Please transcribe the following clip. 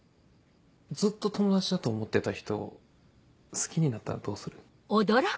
ずっと友達だと思ってた人を好きになったらどうする？